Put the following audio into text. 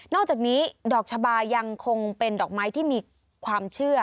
อกจากนี้ดอกชะบายังคงเป็นดอกไม้ที่มีความเชื่อ